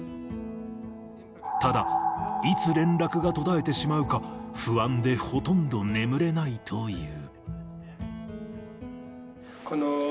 ただ、いつ連絡が途絶えてしまうか、不安でほとんど眠れないという。